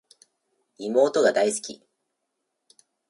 妹が大好き